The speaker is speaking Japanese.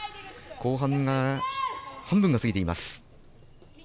後半、半分が過ぎています。